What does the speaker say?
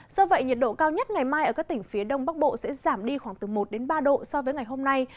do vậy nhiệt độ cao nhất ngày mai ở các tỉnh phía đông bắc bộ sẽ giảm đi khoảng từ một đến ba độ so với ngày hôm nay